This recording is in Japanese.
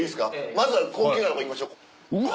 まずは高級なとこ行きましょううわ！